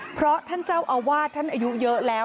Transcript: เพราะท่านเจ้าอาวาสท่านอายุเยอะแล้ว